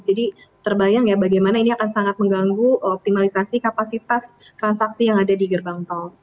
jadi terbayang ya bagaimana ini akan sangat mengganggu optimalisasi kapasitas transaksi yang ada di gerbang tol